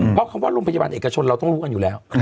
เพราะคำว่าโรงพยาบาลเอกชนเราต้องรู้กันอยู่แล้ว